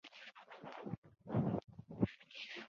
当时郡守和大司农都举荐戴封。